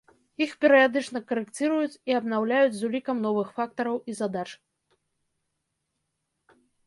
Іх перыядычна карэкціруюць і абнаўляюць з улікам новых фактараў і задач.